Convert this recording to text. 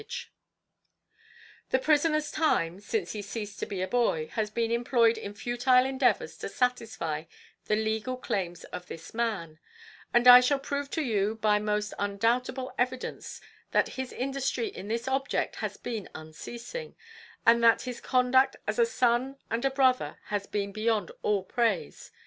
"The prisoner's time, since he ceased to be a boy, has been employed in futile endeavours to satisfy the legal claims of this man; and I shall prove to you by most undoubtable evidence that his industry in this object has been unceasing, and that his conduct as a son and a brother has been beyond all praise.